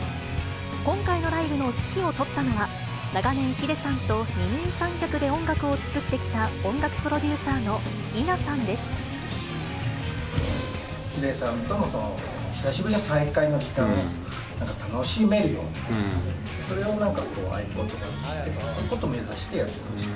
今回のライブの指揮を執ったのは、長年、ｈｉｄｅさんと二人三脚で音楽を作ってきた音楽プロデューサーのｈｉｄｅさんとの久しぶりの再会の時間を、なんか楽しめるような、それを合言葉にして、それを目指してやってきました。